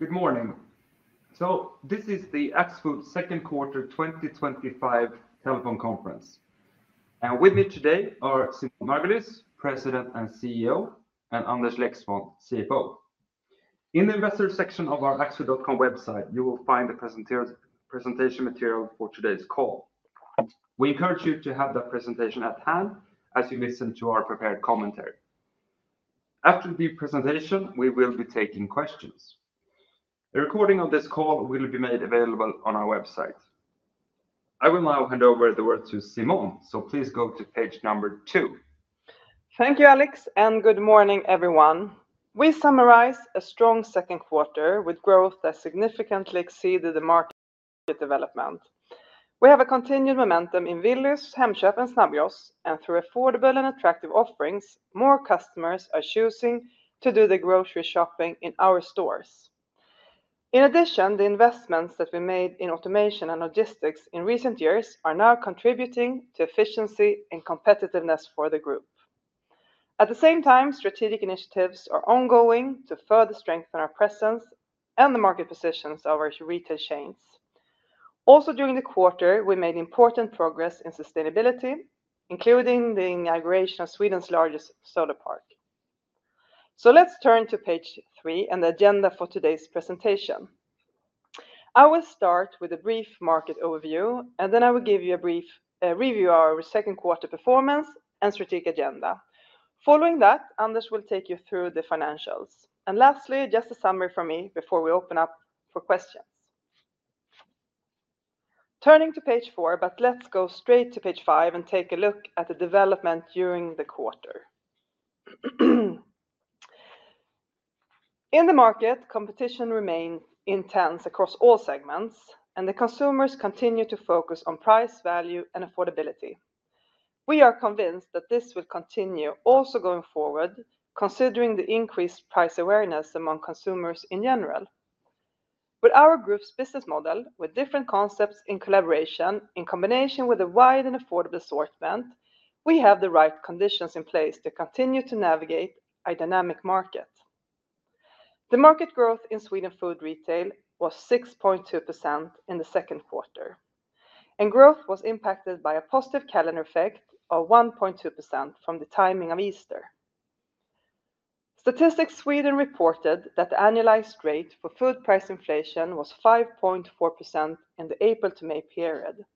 Good morning. So this is the Axford second quarter twenty twenty five telephone conference. And with me today are Simpou Margolis, president and CEO, and Anders Lexvond, CFO. In the investor section of our laxu.com website, you will find the presenters presentation material for today's call. We encourage you to have that presentation at hand as you listen to our prepared commentary. After the presentation, we will be taking questions. A recording of this call will be made available on our website. I will now hand over the word to Simon. So please go to page number two. Thank you, Alex, and good morning, everyone. We summarized a strong second quarter with growth that significantly exceeded the market development. We have a continued momentum in Viluz, Hempshaft and Snabios. And through affordable and attractive offerings, more customers are choosing to do the grocery shopping in our stores. In addition, the investments that we made in automation and logistics in recent years are now contributing to efficiency and competitiveness for the group. At the same time, strategic initiatives are ongoing to further strengthen our presence and the market positions of our retail chains. Also during the quarter, we made important progress in sustainability, including the inauguration of Sweden's largest solar park. So let's turn to Page three and the agenda for today's presentation. I will start with a brief market overview, and then I will give you a brief review of our second quarter performance and strategic agenda. Following that, Anders will take you through the financials. And lastly, just a summary from me before we open up for questions. Turning to Page four, but let's go straight to Page five and take a look at the development during the quarter. In the market, competition remained intense across all segments, and the consumers continue to focus on price, value and affordability. We are convinced that this will continue also going forward, considering the increased price awareness among consumers in general. With our group's business model, with different concepts in collaboration, in combination with a wide and affordable assortment, we have the right conditions in place to continue to navigate a dynamic market. The market growth in Sweden Food Retail was 6.2% in the second quarter, and growth was impacted by a positive calendar effect of 1.2% from the timing of Easter. Statistics Sweden reported that annualized rate for food price inflation was 5.4% in the April period.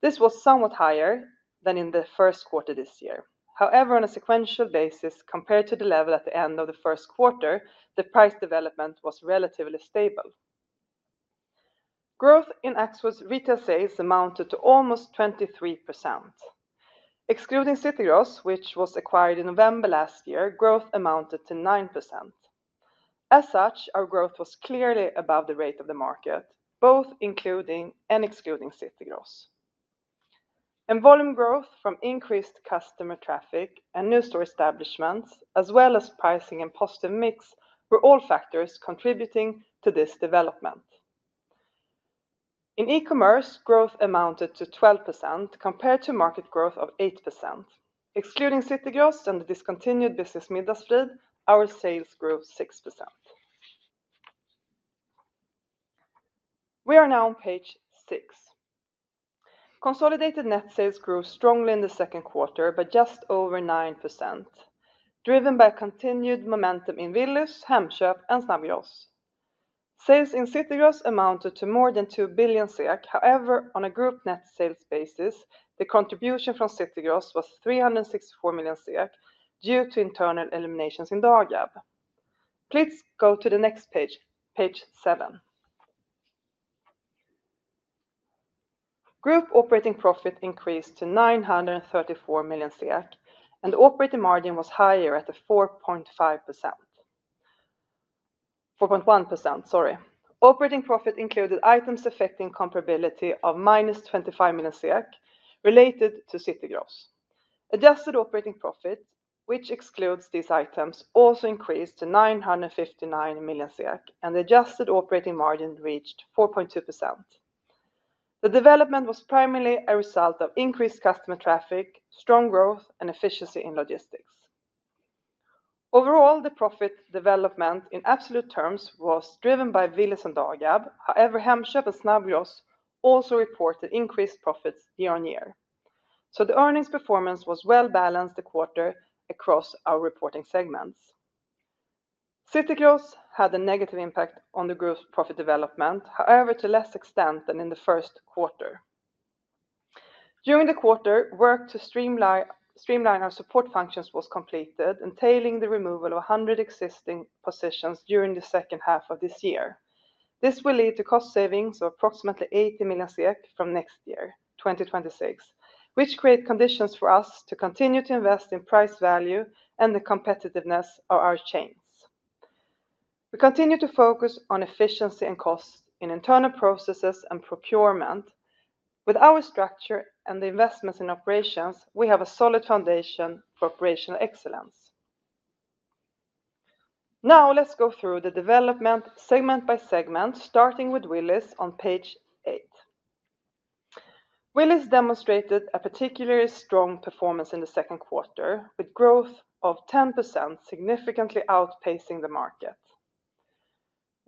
This was somewhat higher than in the first quarter this year. However, on a sequential basis, compared to the level at the end of the first quarter, the price development was relatively stable. Growth in Axos retail sales amounted to almost 23%. Excluding Cityross, which was acquired in November, growth amounted to 9%. As such, our growth was clearly above the rate of the market, both including and excluding Cityross. And volume growth from increased customer traffic and new store establishments, as well as pricing and positive mix, were all factors contributing to this development. In e commerce, growth amounted to 12% compared to market growth of 8%. Excluding CityGross and the discontinued business Midaslid, our sales grew 6%. We are now on page six. Consolidated net sales grew strongly in the second quarter by just over 9%, driven by continued momentum in Viluz, Hampshire and Snavios. Sales in SITIgros amounted to more than 2 billion. However, on a group net sales basis, the contribution from SITIgros was 364 million due to internal eliminations in Darjab. Please go to the next page, page seven. Group operating profit increased to million, and operating margin was higher at 4.54.1%, sorry. Operating profit included items affecting comparability of minus 25,000,000 related to City gross. Adjusted operating profit, which excludes these items, also increased to SEK $959,000,000, and adjusted operating margin reached 4.2%. The development was primarily a result of increased customer traffic, strong growth and efficiency in logistics. Overall, the profit development in absolute terms was driven by Viles and Darjab. However, Hempstead and Snabrios also reported increased profits year on year. So the earnings performance was well balanced the quarter across our reporting segments. City Cloth had a negative impact on the gross profit development, however, to less extent than in the first quarter. During the quarter, work to streamline our support functions was completed, entailing the removal of 100 existing positions during the second half of this year. This will lead to cost savings of approximately 80 million from next year, 2026, which create conditions for us to continue to invest in price value and the competitiveness of our chains. We continue to focus on efficiency and cost in internal processes and procurement. With our structure and the investments in operations, we have a solid foundation for operational excellence. Now let's go through the development segment by segment, starting with Willis on page eight. Willis demonstrated a particularly strong performance in the second quarter, with growth of 10% significantly outpacing the market.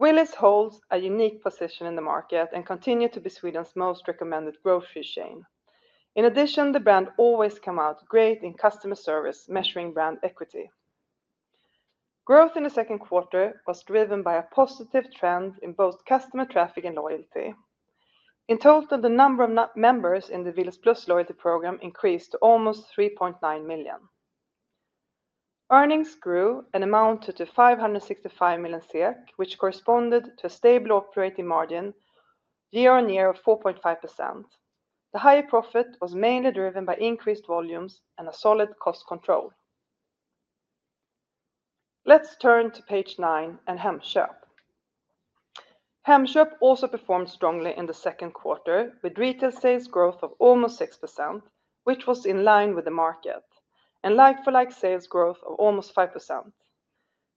Willis holds a unique position in the market and continue to be Sweden's most recommended grocery chain. In addition, the brand always come out great in customer service, measuring brand equity. Growth in the second quarter was driven by a positive trend in both customer traffic and loyalty. In total, the number of members in the Vilas Plus loyalty program increased to almost 3,900,000. Earnings grew and amounted to SEK $565,000,000, which corresponded to a stable operating margin year on year of 4.5%. The higher profit was mainly driven by increased volumes and a solid cost control. Let's turn to Page nine and Hemp Shop. Hemp Shop also performed strongly in the second quarter with retail sales growth of almost 6%, which was in line with the market, and like for like sales growth of almost 5%.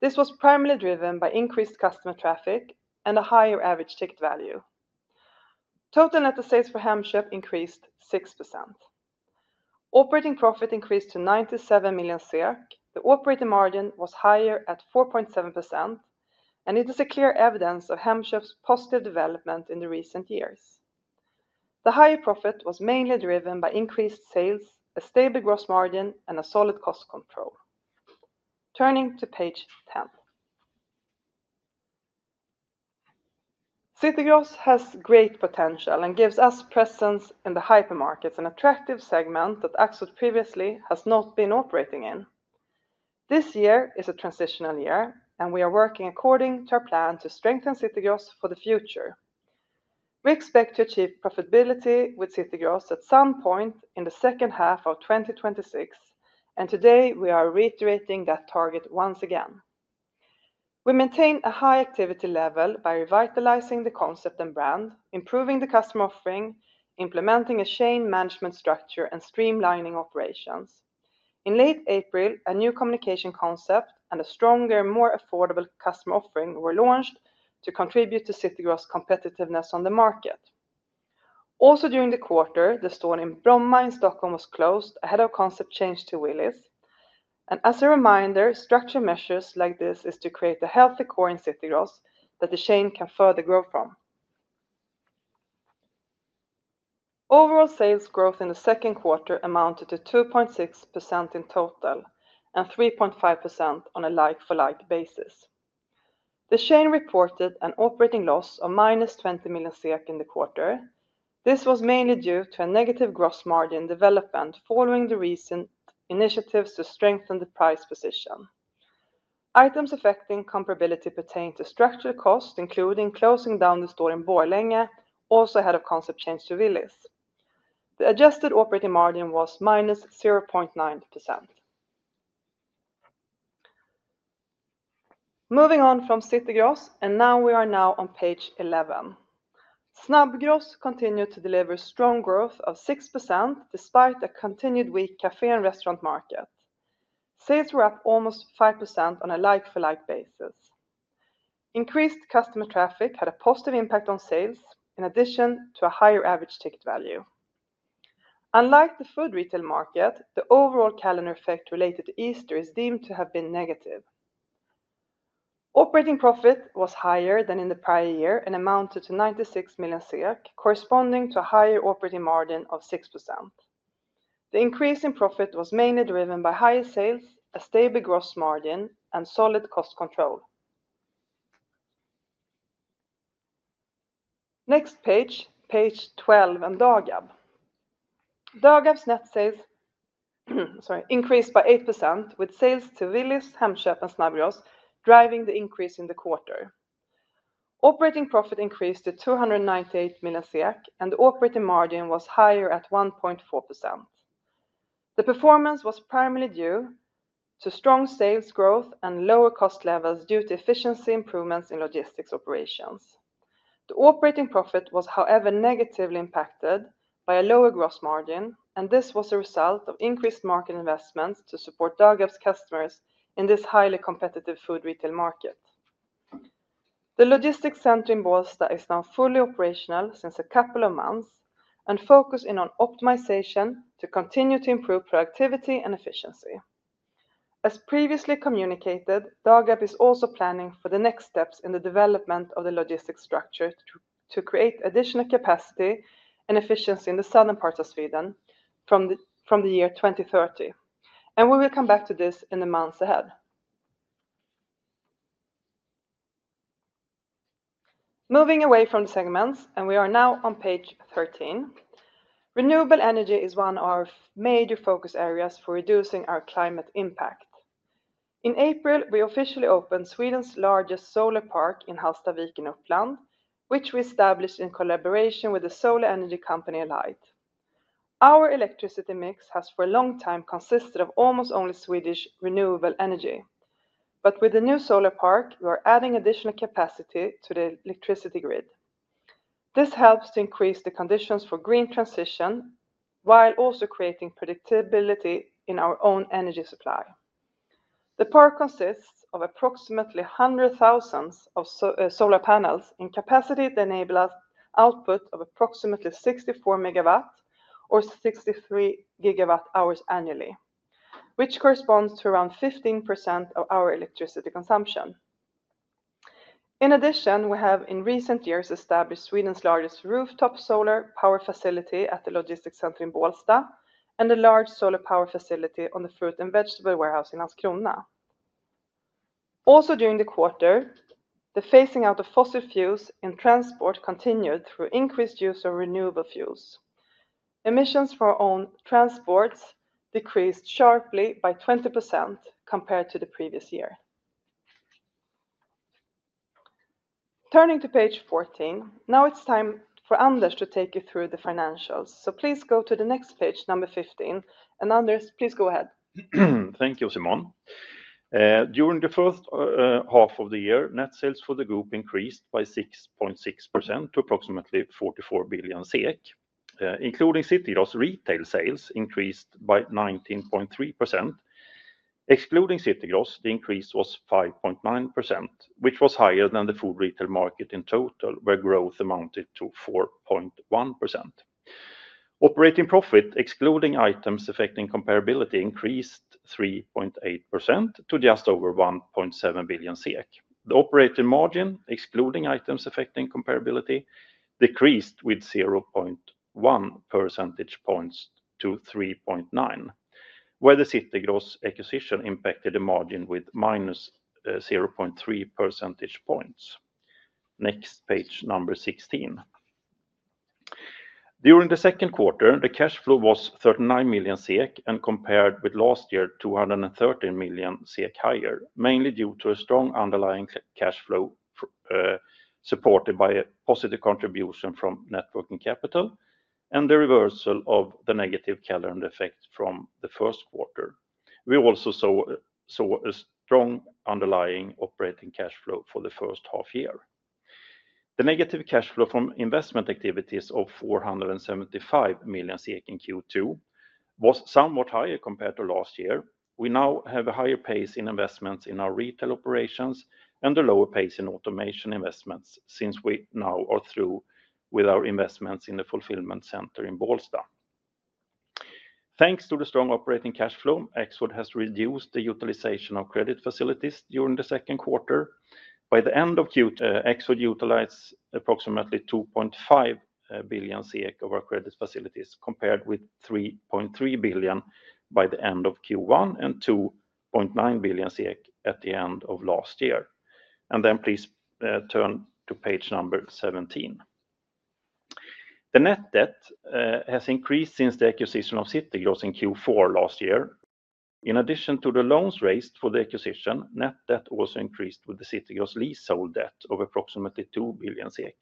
This was primarily driven by increased customer traffic and a higher average ticket value. Total net sales for Hampshire increased 6%. Operating profit increased to 97 million SEK. The operating margin was higher at 4.7%, and it is a clear evidence of Hemp Shop's positive development in the recent years. The higher profit was mainly driven by increased sales, a stable gross margin and a solid cost control. Turning to Page 10. Citigroup has great potential and gives us presence in the hypermarkets, an attractive segment that Axos previously has not been operating in. This year is a transitional year, and we are working according to our plan to strengthen Citigroup for the future. We expect to achieve profitability with Citigross at some point in the second half of twenty twenty six. And today, we are reiterating that target once again. We maintain a high activity level by revitalizing the concept and brand, improving the customer offering, implementing a chain management structure and streamlining operations. In late April, a new communication concept and a stronger, more affordable customer offering were launched to contribute to Citigroup's competitiveness on the market. Also during the quarter, the store in Bromma in Stockholm was closed, ahead of concept change to Willys. And as a reminder, structure measures like this is to create a healthy core in Citigross that the chain can further grow from. Overall sales growth in the second quarter amounted to 2.6% in total and 3.5% on a like for like basis. The chain reported an operating loss of minus 20 million SEK in the quarter. This was mainly due to a negative gross margin development following the recent initiatives to strengthen the price position. Items affecting comparability pertain to structural costs, including closing down the store in Boralenge, also ahead of concept change to Vilis. The adjusted operating margin was minus 0.9%. Moving on from Citigros, and now we are now on Page 11. Snabgrass continued to deliver strong growth of 6% despite a continued weak cafe and restaurant market. Sales were up almost 5% on a like for like basis. Increased customer traffic had a positive impact on sales, in addition to a higher average ticket value. Unlike the food retail market, the overall calendar effect related to Easter is deemed to have been negative. Operating profit was higher than in the prior year and amounted to 96 million corresponding to a higher operating margin of 6%. The increase in profit was mainly driven by higher sales, a stable gross margin and solid cost control. Next page, page 12 on Darjab. Darjab's net sales increased by 8% with sales to Vilis, Hemp Chef and Snabrios driving the increase in the quarter. Operating profit increased to SEK $298,000,000 and operating margin was higher at 1.4%. The performance was primarily due to strong sales growth and lower cost levels due to efficiency improvements in logistics operations. The operating profit was however negatively impacted by a lower gross margin and this was a result of increased market investments to support DAGF's customers in this highly competitive food retail market. The logistics center in is now fully operational since a couple of months and focusing on optimization to continue to improve productivity and efficiency. As previously communicated, DarGap is also planning for the next steps in the development of the logistics structure to create additional capacity and efficiency in the Southern part of Sweden from the year 02/1930. And we will come back to this in the months ahead. Moving away from segments, and we are now on page 13. Renewable energy is one of our major focus areas for reducing our climate impact. In April, we officially opened Sweden's largest solar park in Halstadvirkenokplan, which we established in collaboration with the solar energy company Alight. Our electricity mix has for a long time consisted of almost only Swedish renewable energy. But with the new solar park, we are adding additional capacity to the electricity grid. This helps to increase the conditions for green transition, while also creating predictability in our own energy supply. The park consists of approximately 100 thousands of solar panels in capacity that enable output of approximately 64 megawatt or 63 gigawatt hours annually, which corresponds to around 15% of our electricity consumption. In addition, we have in recent years established Sweden's largest rooftop solar power facility at the logistics center in and the large solar power facility on the fruit and vegetable warehouse in Askrona. Also during the quarter, the phasing out of fossil fuels in transport continued through increased use of renewable fuels. Emissions for our own transports decreased sharply by 20% compared to the previous year. Turning to Page 14. Now it's time for Anders to take you through the financials. So please go to the next page, number 15. And Anders, please go ahead. Thank you, Simon. During the first half of the year, net sales for the group increased by 6.6% to approximately 44,000,000,000 SEK. Including CityGross, retail sales increased by 19.3%. Excluding CityGross, the increase was 5.9, which was higher than the food retail market in total, where growth amounted to 4.1%. Operating profit, excluding items affecting comparability, increased 3.8% to just over 1,700,000,000.0 SEK. The operating margin, excluding items affecting comparability, decreased with 0.1 percentage points to 3.9%, where the Citi gross acquisition impacted the margin with minus 0.3 percentage points. Next, Page number 16. During the second quarter, the cash flow was 39,000,000 SEK and compared with last year SEK $213,000,000 higher, mainly due to a strong underlying cash flow supported by a positive contribution from net working capital and the reversal of the negative calendar effect from the first quarter. We also saw a strong underlying operating cash flow for the first half year. The negative cash flow from investment activities of SEK $475,000,000 in Q2 was somewhat higher compared to last year, we now have a higher pace in investments in our retail operations and a lower pace in automation investments since we now are through with our investments in the fulfillment center in Balstad. Thanks to the strong operating cash flow, Exod has reduced the utilization of credit facilities during the second quarter. By the end of Q2, Exod utilized approximately 2,500,000,000.0 of our credit facilities compared with 3.3 billion by the end of Q1 and 2.9 billion at the end of last year. And then please turn to Page number 17. The net debt has increased since the acquisition of Citigos in Q4 last year. In addition to the loans raised for the acquisition, net debt also increased with the Citigos leasehold debt of approximately 2,000,000,000 SEK.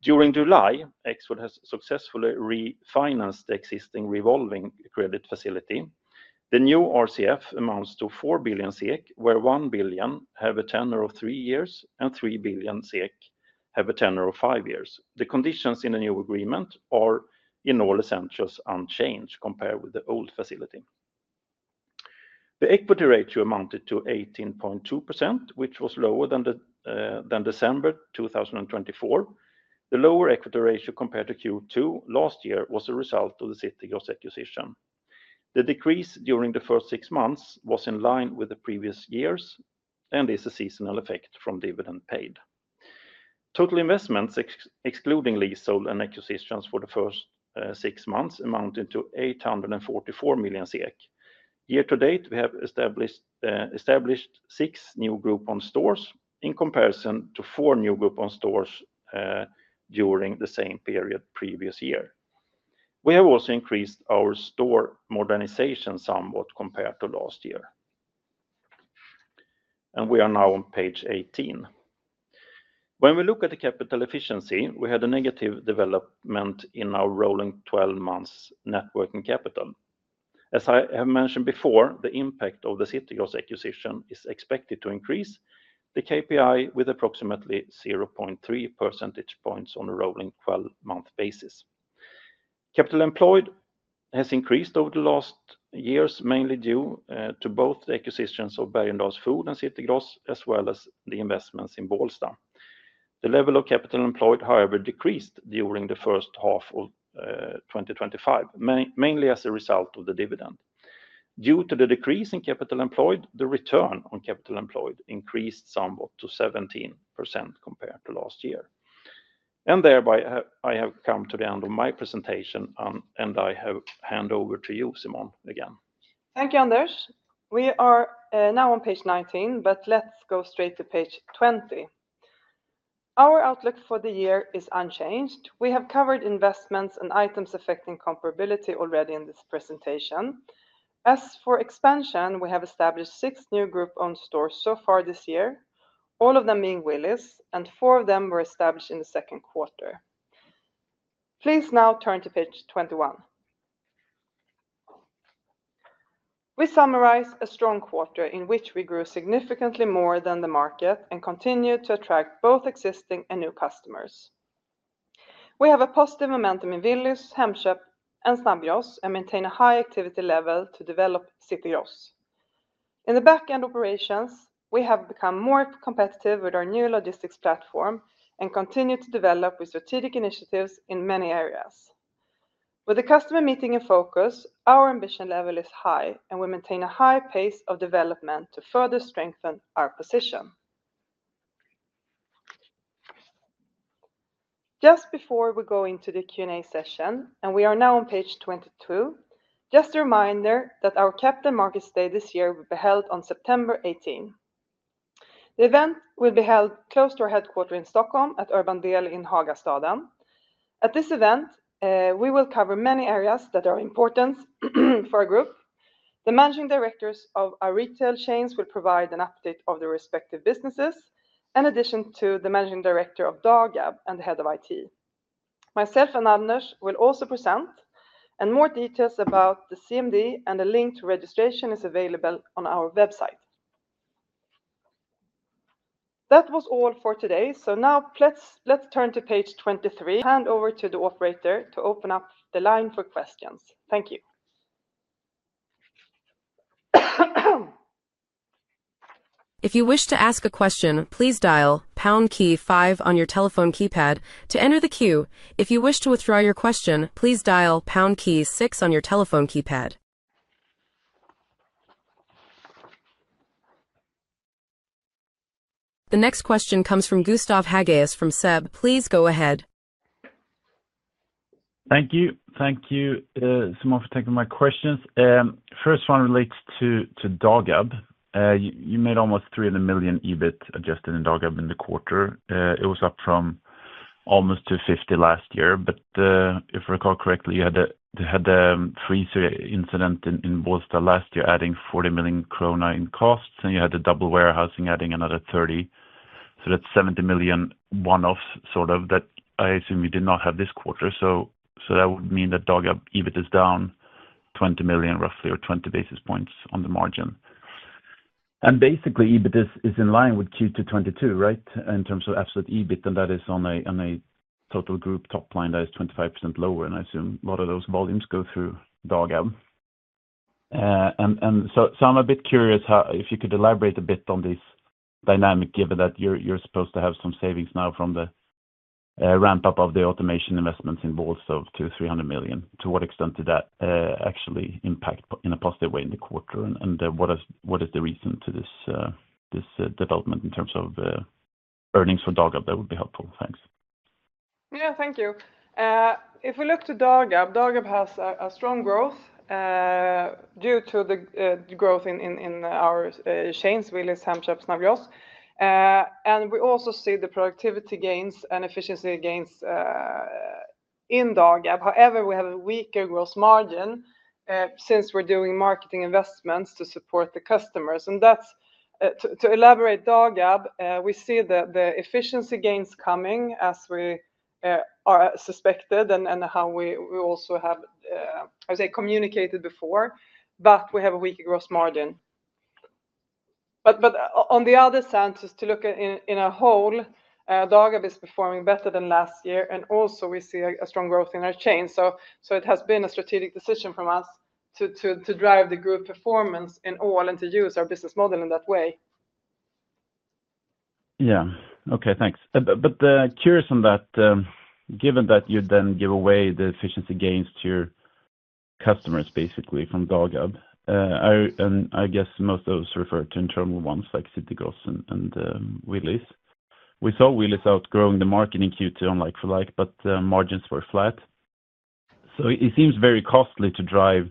During July, Export has successfully refinanced the existing revolving credit facility. The new RCF amounts to 4,000,000,000, where 1,000,000,000 have a tenure of three years and 3,000,000,000 have a tenure of five years. The conditions in the new agreement are, in all essentials, unchanged compared with the old facility. The equity ratio amounted to 18.2%, which was lower than December 2024. The lower equity ratio compared to Q2 last year was a result of the Citigoss acquisition. The decrease during the first six months was in line with the previous years and is a seasonal effect from dividend paid. Total investments, excluding leasehold and acquisitions for the first six months amounted to 844 million SEK. Year to date, we have established six new Groupon stores in comparison to four new Groupon stores during the same period previous year. We have also increased our store modernization somewhat compared to last year. And we are now on Page 18. When we look at the capital efficiency, we had a negative development in our rolling twelve months net working capital. As I have mentioned before, the impact of the Citigos acquisition is expected to increase the KPI with approximately 0.3 percentage points on a rolling twelve month basis. Capital employed has increased over the last years, mainly due to both the acquisitions of Bairendaz Food and Citigross as well as the investments in Ballstar. The level of capital employed, however, decreased during the first half of twenty twenty five, mainly as a result of the dividend. Due to the decrease in capital employed, the return capital employed increased somewhat to 17% compared to last year. And thereby, I have come to the end of my presentation, and I hand over to you, Simon, again. Thank you, Anders. We are now on Page 19, but let's go straight to Page 20. Our outlook for the year is unchanged. We have covered investments and items affecting comparability already in this presentation. As for expansion, we have established six new group owned stores so far this year, all of them being Willis, and four of them were established in the second quarter. Please now turn to page 21. We summarize a strong quarter in which we grew significantly more than the market and continue to attract both existing and new customers. We have a positive momentum in Vilnius, Hempstead and Stabios and maintain a high activity level to develop CityJos. In the back end operations, we have become more competitive with our new logistics platform and continue to develop with strategic initiatives in many areas. With the customer meeting in focus, our ambition level is high and we maintain a high pace of development to further strengthen our position. Just before we go into the Q and A session, and we are now on Page 22, just a reminder that our Capital Markets Day this year will be held on September 18. The event will be held close to our headquarter in Stockholm at Urbandviel in Hagastadam. At this event, we will cover many areas that are important for our group. The managing directors of our retail chains will provide an update of their respective businesses, in addition to the managing director of DAGab and the Head of IT. Myself and Anos will also present and more details about the CMD and the link to registration is available on our website. That was all for today. So now let's turn to Page 23. I'll hand over to the operator to open up the line for questions. Thank The next question comes from Gustav Hageous from SEB. Please go ahead. Thank you. Thank you so much for taking my questions. First one relates to Dogab. You made almost 300,000,000 EBIT adjusted in Dogab in the quarter. It was up from almost DKK $250,000,000 last year. But if I recall correctly, you had a freeze incident in Bolstad last year, adding 40,000,000 krone in costs, and you had the double warehousing adding another 30,000,000. So that's 70,000,000 one offs sort of that I assume you did not have this quarter. So that would mean that dog EBIT is down €20,000,000 roughly or 20 basis points on the margin. And basically, EBIT is in line with Q2 twenty twenty two, right, in terms of absolute EBIT, and that is on a total group top line that is 25% lower, and I assume a lot of those volumes go through Dogger. And so I'm a bit curious how if you could elaborate a bit on this dynamic, given that you're supposed to have some savings now from the ramp up of the automation investments in Bolstow to 300,000,000. To what extent did that actually impact in a positive way in the quarter? And what is the reason to this development in terms of earnings for DAGGAP? That would be helpful. Yes, thank you. If we look to DarGab, DarGab has a strong growth due to the growth in our chains, wheelers, hand shops, Naviros. And we also see the productivity gains and efficiency gains in DarGab. However, we have a weaker gross margin, since we're doing marketing investments to support the customers. And that's, to elaborate DarGab, we see the efficiency gains coming as we are suspected and how we also have, as communicated before, but we have a weaker gross margin. But on the other sense, just to look at in a whole, Dogger is performing better than last year, and also we see a strong growth in our chain. So it has been a strategic decision from us to drive the group performance in all and to use our business model in that way. Yeah. Okay. Thanks. But but curious on that, given that you then give away the efficiency gains to your customers basically from Golub. I and I guess most of those refer to internal ones like Citigoss and and Wheelies. We saw Wheelies outgrowing the market in q two on like for like, but, margins were flat. So it seems very costly to drive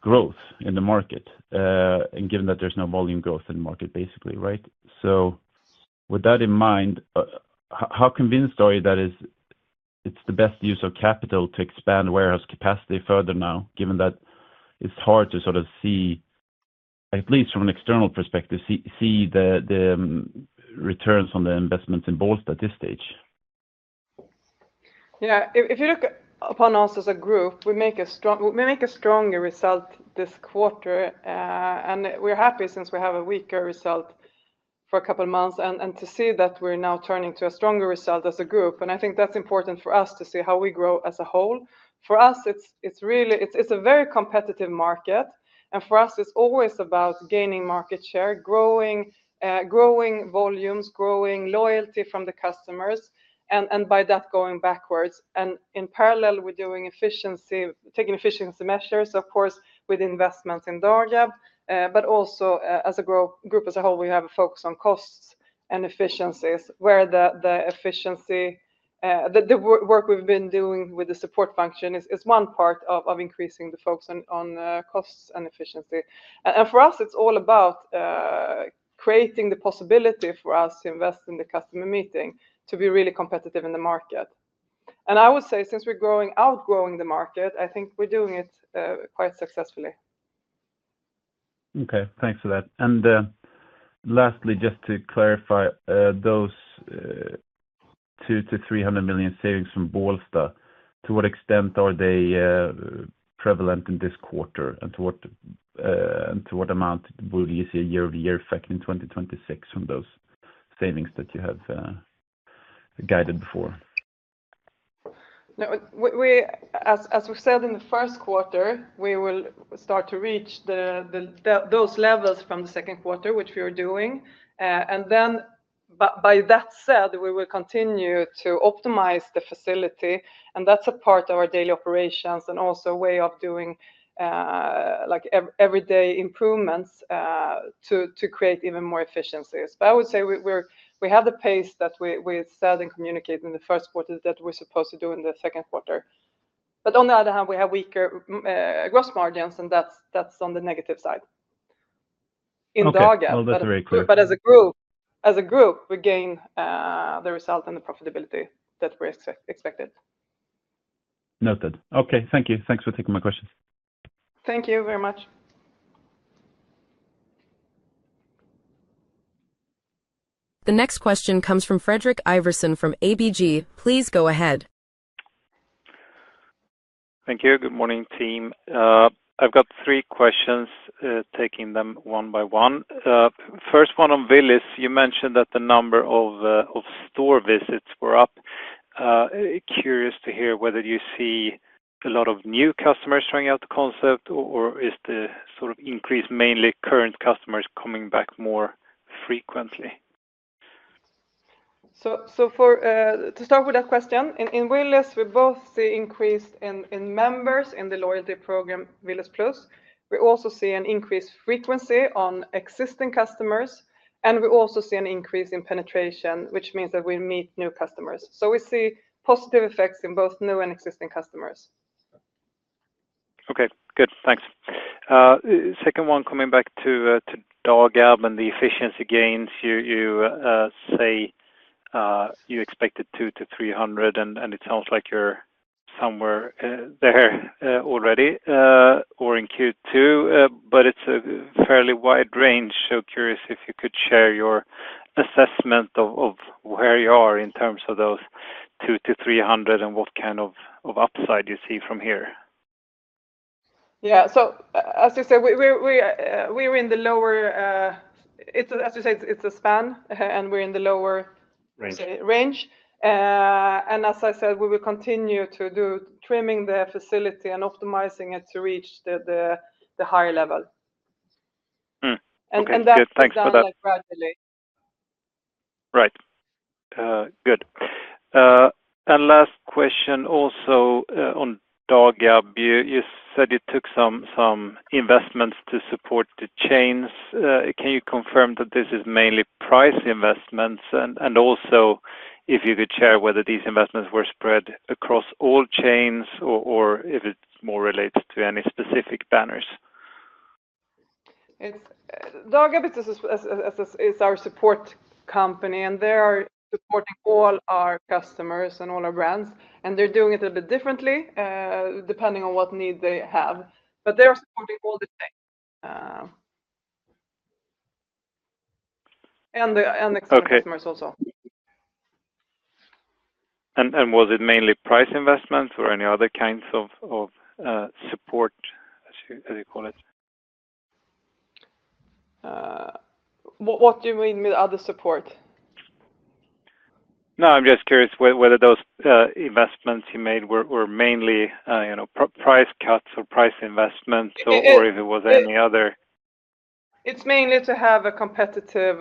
growth in the market, and given that there's no volume growth in the market, basically. Right? So with that in mind, how convinced are you that it's the best use of capital to expand warehouse capacity further now given that it's hard to sort of see, at least from an external perspective, see the returns on the investments in Bolst at this stage? Yes. If you look upon us as a group, we make a stronger result this quarter. And we're happy since we have a weaker result for a couple of months and to see that we're now turning to a stronger result as a group. And I think that's important for us to see how we grow as a whole. For us, it's really it's a very competitive market. And for us, it's always about gaining market share, volumes, growing loyalty from the customers, and by that going backwards. And in parallel, we're doing efficiency taking efficiency measures, of course, with investments in Darjab, but also as a group as a whole, we have a focus on costs and efficiencies where the efficiency the work we've been doing with the support function is one part of increasing the focus on costs and efficiency. And for us, it's all about creating the possibility for us to invest in the customer meeting to be really competitive in the market. And I would say since we're growing outgrowing the market, I think we're doing it quite successfully. Okay. Thanks for that. And lastly, just to clarify, those 200 to 300,000,000 savings from Bolstad, to what extent are they prevalent in this quarter? And to what amount will you see a year over year effect in 2026 from those savings that you have guided before? No. We as we said in the first quarter, we will start to reach those levels from the second quarter, which we were doing. And then by that said, we will continue to optimize the facility, and that's a part of our daily operations and also way of doing like everyday improvements to create even more efficiencies. But I would say we have the pace that we said and communicated in the first quarter that we're supposed to do in the second quarter. But on the other hand, we have weaker, gross margins, and that's that's on the negative side in the August. But as a group as a group, we gain, the result and the profitability that we expected. Noted. Okay. Thank you. Thanks for taking my questions. Thank you very much. The next question comes from Fredrik Iverson from ABG. Please go ahead. Thank you. Good morning, team. I've got three questions, taking them one by one. First one on Vilis. You mentioned that the number of store visits were up. Curious to hear whether you see a lot of new customers showing out the concept? Or is the sort of increase mainly current customers coming back more frequently? So for to start with that question, in VLS, we both see increase in members in the loyalty program VLS Plus. We also see an increased frequency on existing customers, and we also see an increase in penetration, which means that we meet new customers. So we see positive effects in both new and existing customers. Okay, good. Thanks. Second one, coming back to Dogab and the efficiency gains. You say you expected 200 to 300,000,000 And it sounds like you're somewhere there already or in Q2, but it's a fairly wide range. So curious if you could share your assessment of where you are in terms of those 200 to 300 and what kind of upside you see from here. Yes. So as you said, we were in the lower it's as you say, it's it's a span, and we're in the lower Range. Range. As I said, we will continue to do trimming the facility and optimizing it to reach the the the higher level. And Okay, that's thanks done a Good. And last question also on DAGAP. You said you took some investments to support the the chains. Can you confirm that this is mainly price investments? And also, if you could share whether these investments were spread across all chains or if it's more related to any specific banners? It's Dogger, but this is is our support company, and they are supporting all our customers and all our brands. And they're doing it a bit differently, depending on what need they have. But they are supporting all the same. And the and the customers also. And and was it mainly price investments or any other kinds of of, support as you as you call it? What what do you mean with other support? No. I'm just curious whether those, investments you made were were mainly, you know, price cuts or price investments or if it was any other? It's mainly to have a competitive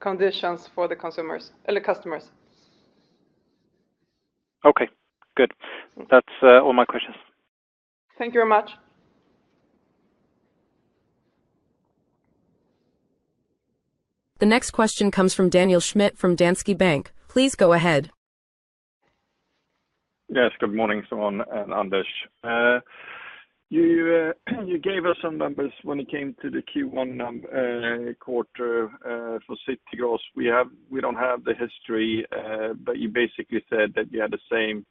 conditions for the consumers customers. Okay, good. That's all my questions. Thank you very much. The next question comes from Daniel Schmidt from Danske Bank. Please go ahead. Yes. Good morning, Simon and Anders. You gave us some numbers when it came to the Q1 quarter for Citigroup. We have we don't have the history, but you basically said that you had the same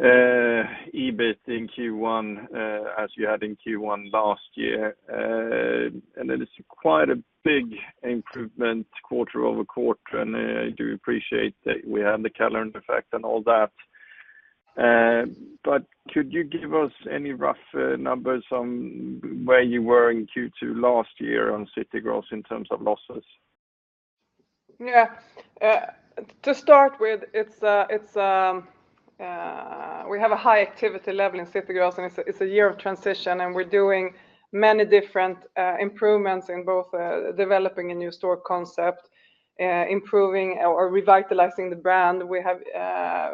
EBIT in Q1 as you had in Q1 last year. And then it's quite a big improvement quarter over quarter, and I do appreciate that we have the calendar effect and all that. But could you give us any rough numbers on where you were in Q2 last year on City Growth in terms of losses? Yes. To start with, it's we have a high activity level in City Girls, and it's a year of transition. And we're doing many different improvements in both developing a new store concept, improving or revitalizing the brand. We have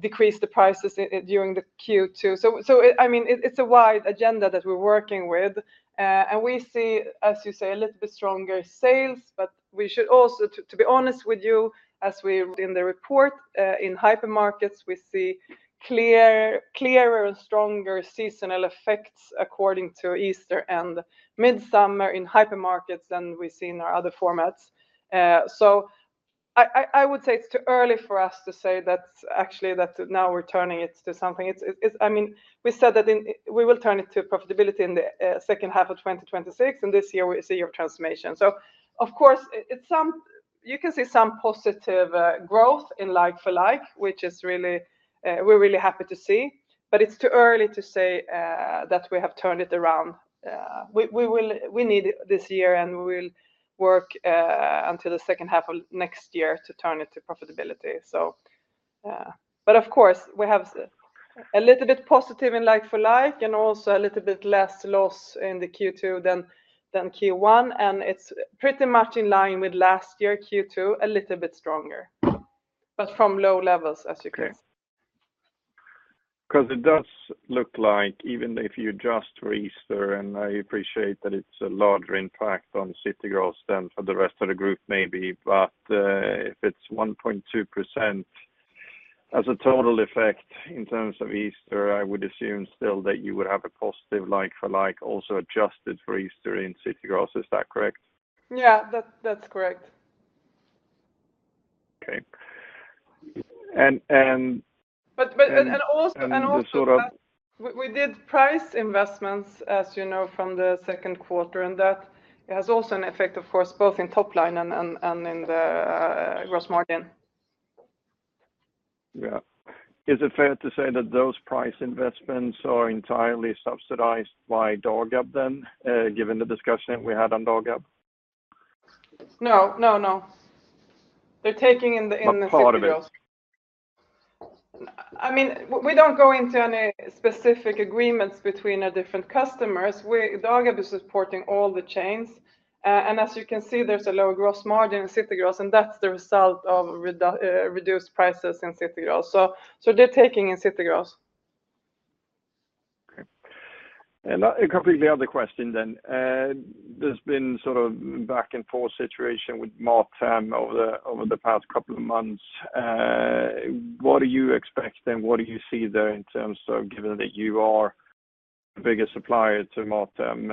decreased the prices during the Q2. So I mean, it's a wide agenda that we're working with. And we see, as you say, a little bit stronger sales, but we should also to be honest with you, as we've seen in the report, in hypermarkets, we see clearer and stronger seasonal effects according to Easter and midsummer in hypermarkets than we've seen in our other formats. So I I would say it's too early for us to say that actually that now we're turning it to something. It's it's I mean, we said that we will turn it to profitability in the second half of twenty twenty six, and this year, see your transformation. So, of course, it's some you can see some positive growth in like for like, which is really we're really happy to see. But it's too early to say that we have turned it around. We will we need it this year, and we will work until the second half of next year to turn it to profitability. So but of course, we have a little bit positive in like for like and also a little bit less loss in the Q2 than Q1. And it's pretty much in line with last year Q2, a little bit stronger, but from low levels as you can Because it does look like even if you adjust for Easter, and I appreciate that it's a larger impact on CityGross than for the rest of the group maybe. But if it's 1.2 as a total effect in terms of Easter, I would assume still that you would have a a positive like for like also adjusted for Easter in CityGross. Is that correct? Yeah. That that's correct. K. And and But but and and also and also sort of. We we did price investments, as you know, from the second quarter, and that has also an effect, of course, both in top line and and and in the gross margin. Yeah. Is it fair to say that those price investments are entirely subsidized by DogUp then, given the discussion that we had on DogUp? No. No. No. They're taking in the in the figures. I mean, we don't go into any specific agreements between our different customers. We're they're already supporting all the chains. And as you can see, there's a lower gross margin in city girls, and that's the result of reduced prices in city girls. So so they're taking in citadels. Okay. And a completely other question then. There's been sort of back and forth situation with Matam over the past couple of months. What do you expect? And what do you see there in terms of given that you are a bigger supplier to Matam,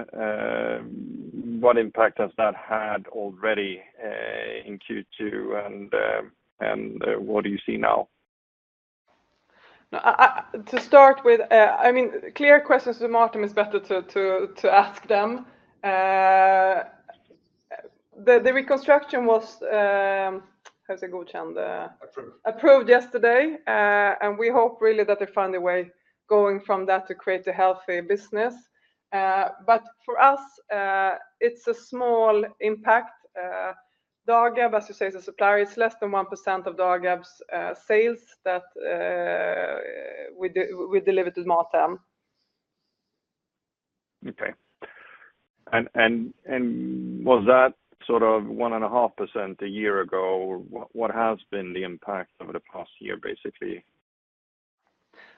what impact has that had already in Q2? What do you see now? To start with, I mean, clear questions to Martin is better to ask them. Reconstruction was how's it going, Chand? Approved. Approved yesterday, and we hope really that they find a way going from that to create a healthy business. But for us, it's a small impact. DarGab, as you say, a supplier, it's less than 1% of DarGab's sales that we delivered to SmartThem. Okay. And was that sort of one and a half percent a year ago? What what has been the impact over the past year, basically?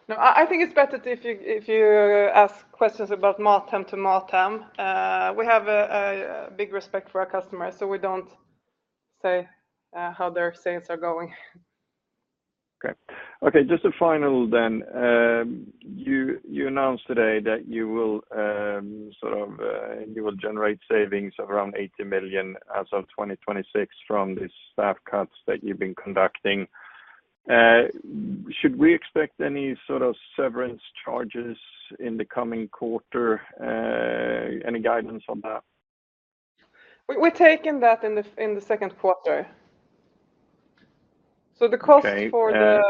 No. I I think it's better if you if you ask questions about Matam to Matam. We have a a big respect for our customers, so we don't say, how their sales are going. K. Okay. Just a final then. You you announced today that you will, sort of, you will generate savings of around 80,000,000 as of 2026 from these staff cuts that you've been conducting. Should we expect any sort of severance charges in the coming quarter? Any guidance on that? We we taken that in the in the second quarter. So the cost for the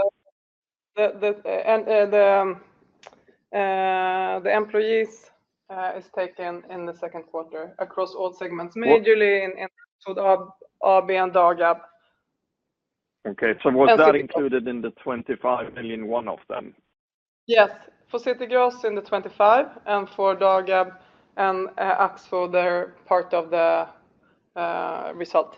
the the and and the employees is taken in the second quarter across all segments, majorly in in so the RB and DarGab. Okay. So was that included in the 25,000,000, one of them? Yes. For City Girls in the 25,000,000 and for Dogab and Axo, they're part of the, result.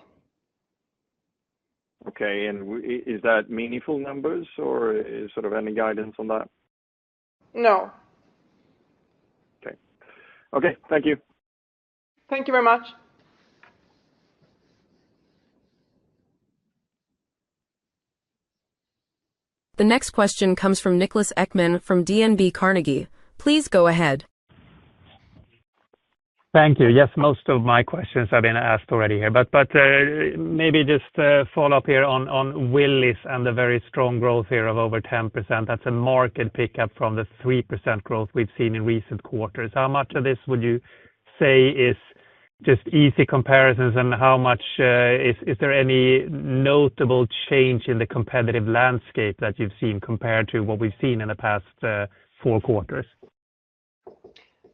Okay. And is that meaningful numbers or sort of any guidance on that? No. The next question comes from Nicholas Eckmann from DNB Carnegie. Please go ahead. Thank you. Yes, most of my questions have been asked already here. But maybe just a follow-up here on Willis and the very strong growth here of over 10%. That's a marked pickup from the 3% growth we've seen in recent quarters. How much of this would you say is just easy comparisons? And how much is there any notable change in the competitive landscape that you've seen compared to what we've seen in the past four quarters?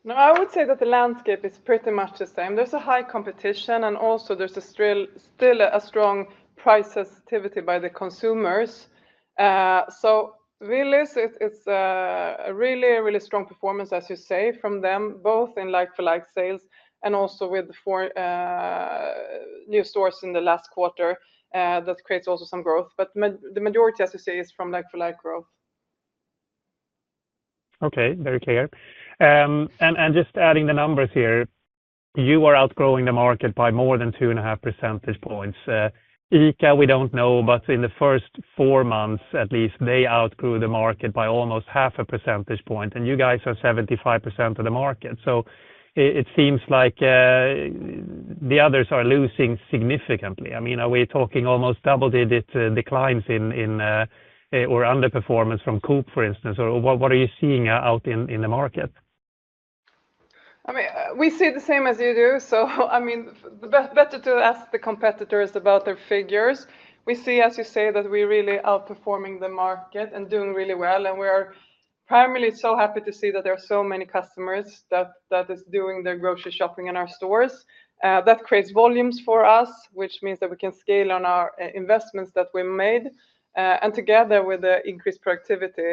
No, I would say that the landscape is pretty much the same. There's a high competition and also there's still a strong price sensitivity by the consumers. So really, it's a really, really strong performance, as you say, from them both in like for like sales and also with four new stores in the last quarter, that creates also some growth. But the majority, as you say, is from like for like growth. Okay. Very clear. And just adding the numbers here, you are outgrowing the market by more than 2.5 percentage points. Ike, we don't know, but in the first four months, at least, they outgrew the market by almost zero five percentage point, and you guys are 75% of the market. So it seems like the others are losing significantly. I mean, we talking almost double digit declines in in, or underperformance from Coke, for instance? Or what are you seeing out in in the market? I mean, we see the same as you do. So, I mean, the best better to ask the competitors about their figures. We see, as you say, that we're really outperforming the market and doing really well, and we are primarily so happy to see that there are so many customers that that is doing their grocery shopping in our stores. That creates volumes for us, which means that we can scale on our investments that we made. And together with the increased productivity,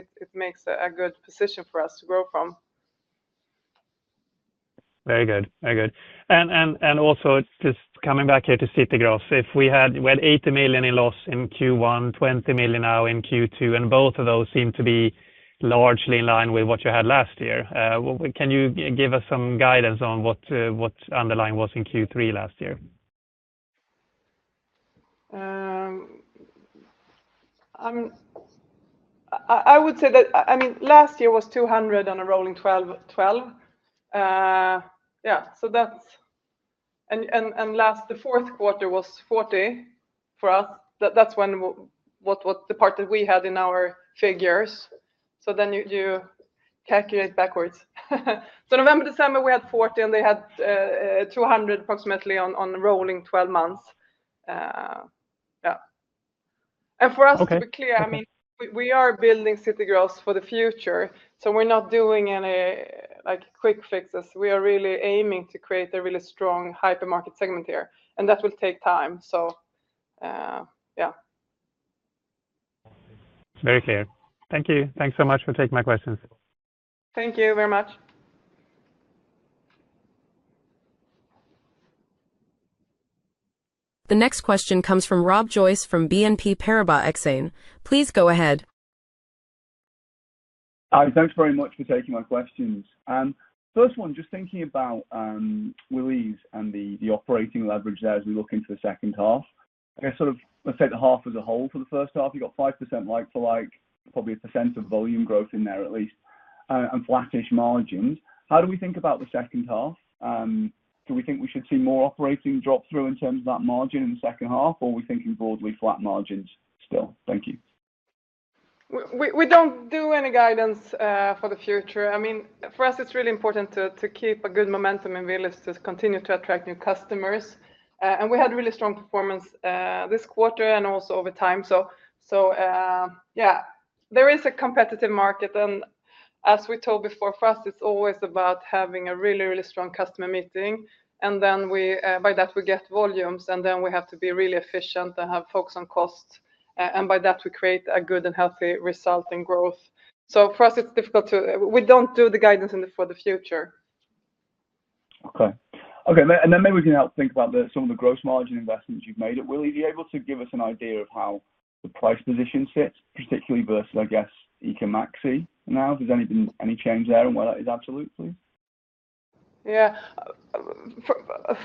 it makes a good position for us to grow from. Very good. Very good. And also, just coming back here to Citigroup. If we had we had 80,000,000 in loss in Q1, 20,000,000 now in Q2, and both of those seem to be largely in line with what you had last year. Can you give us some guidance on what underlying was in Q3 last year? I would say that I mean, last year was 200,000,000 on a rolling 12. Yeah. So that's and and and last the fourth quarter was 40 for us. That that's when what what the part that we had in our figures. So then you you calculate backwards. So November, December, we had 40, and they had 200 approximately on on the rolling twelve months. Yeah. And for us, to be clear, I mean, we we are building city growth for the future, so we're not doing any, like, quick fixes. We are really aiming to create a really strong hypermarket segment here, and that will take time. So yeah. Very clear. Thank you. Thanks so much for taking my questions. Thank you very much. The next question comes from Rob Joyce from BNP Paribas Exane. Please go ahead. Hi. Thanks very much for taking my questions. First one, just thinking about Willy's and the operating leverage there as we look into the second half. I guess sort of, let's say, the half as a whole for the first half, you got 5% like for like, probably a percent of volume growth in there at least, and flattish margins. How do we think about the second half? Do we think we should see more operating drop through in terms of that margin in the second half or are we thinking broadly flat margins still? Thank you. We don't do any guidance for the future. I mean, for us, it's really important to keep a good momentum in real estate to continue to attract new customers. And we had really strong performance this quarter and also over time. So so, yeah, there is a competitive market. And as we told before, for us, it's always about having a really, really strong customer meeting. And then we by that, we get volumes, and then we have to be really efficient and have focus on costs. And by that, we create a good and healthy result in growth. So for us, it's difficult to we don't do the guidance in the for the future. Okay. Okay. And maybe we can help think about the some of the gross margin investments you've made. Will you be able to give us an idea of how the price position sits, particularly versus, I guess, EcoMaxi now? Is anything any change there and why that is absolutely? Yeah.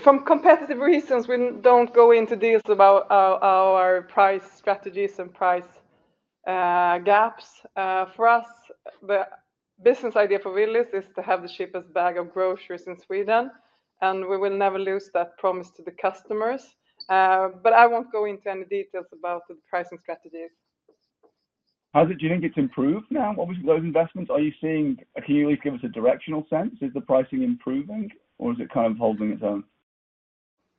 From competitive reasons, we don't go into deals about our our price strategies and price, gaps. For us, the business idea for Vilis is to have the cheapest bag of groceries in Sweden, and we will never lose that promise to the customers. But I won't go into any details about the pricing strategies. How's it? Do you think it's improved now? What was those investments? Are you seeing can you give us a directional sense? Is the pricing improving, or is it kind of holding its own?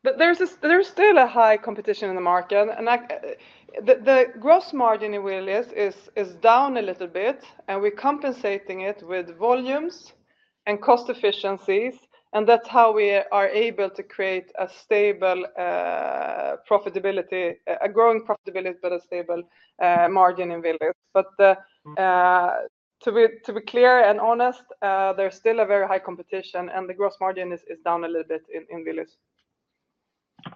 There's a there's still a high competition in the market. And, like, the the gross margin in VLS is is down a little bit, and we're compensating it with volumes and cost efficiencies. And that's how we are able to create a stable profitability a growing profitability, but a stable margin in Viluz. But to be to be clear and honest, there's still a very high competition, and the gross margin is is down a little bit in in Viluz.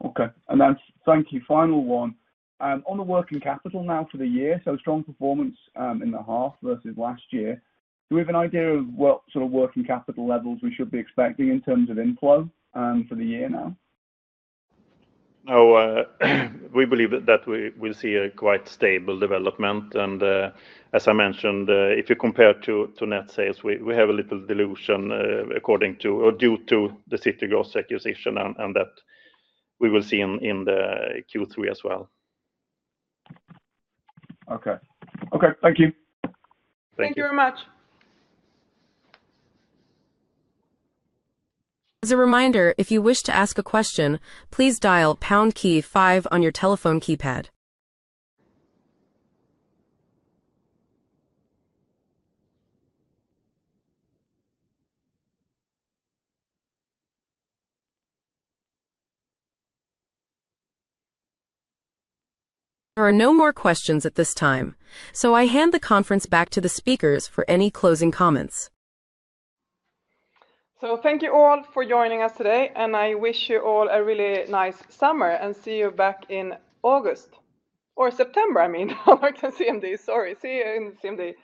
Okay. And then thank you. Final one. On the working capital now for the year, so strong performance in the half versus last year. Do we have an idea of what sort of working capital levels we should be expecting in terms of inflow for the year now? No. We believe that we'll see a quite stable development. And as I mentioned, if you compare to net sales, we have a little dilution according to or due to the CityGross acquisition and that we will see in the Q3 as well. Okay. Okay. Thank you. Thank you very much. So thank you all for joining us today, and I wish you all a really nice summer. And see you back in August or September, I mean. I can see in this. Sorry. See you in the same day.